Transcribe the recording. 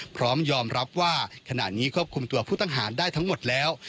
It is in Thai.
พร้อมยอมรับว่าขณะนี้ควบคุมตัวผู้ต้องหาได้ทั้งหมดแล้ว